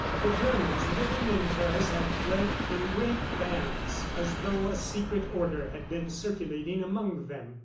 The Germans living in Paris had fled in great bands as though a secret order had been circulating among them.